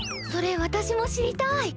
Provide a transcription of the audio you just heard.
それ私も知りたい。